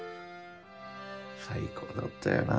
最高だったよなぁ